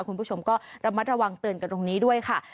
คุณผู้ชมก็ระมัดระวังเตือนกันตรงนี้ด้วยค่ะ